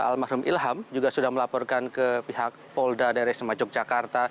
almarhum ilham juga sudah melaporkan ke pihak polda daerah sema yogyakarta